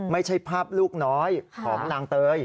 ไม่ใช่ภาพลูกน้อยของนางเตย